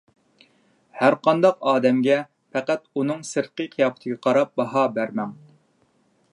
ھەر قانداق ئادەمگە پەقەت ئۇنىڭ سىرتقى قىياپىتىگە قاراپلا باھا بەرمەڭ.